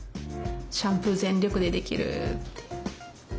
シャンプー全力でできる！って。